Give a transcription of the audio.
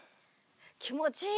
気持ちいい！